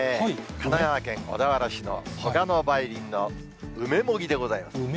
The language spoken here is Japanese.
神奈川県小田原市のそがの梅林の梅もぎでございます。